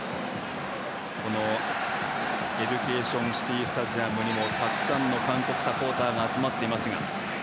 エデュケーション・シティスタジアムにもたくさんの韓国サポーターが集まっています。